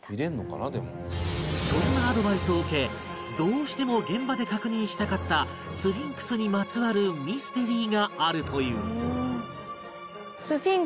そんなアドバイスを受けどうしても現場で確認したかったスフィンクスにまつわるミステリーがあるという